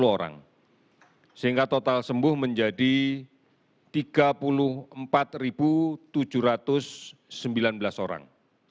satu satu ratus sembilan puluh orang sehingga total sembuh menjadi tiga puluh empat tujuh ratus sembilan belas orang